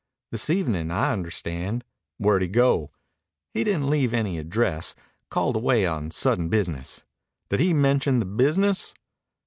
"This evenin', I understand." "Where'd he go?" "He didn't leave any address. Called away on sudden business." "Did he mention the business?"